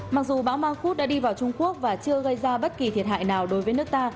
mặc dù bão mang khúc đã đi vào trung quốc và chưa gây ra bất kỳ thiệt hại nào đối với nước ta